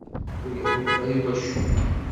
Ur iḥulfa i wacemma?